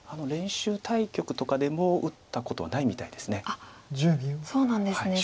練習対局とかでも打ったことはないみたいです。